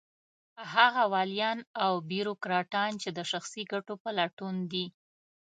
هغه واليان او بېروکراټان چې د شخصي ګټو په لټون دي.